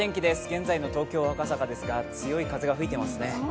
現在の東京・赤坂ですが強い風が吹いていますね。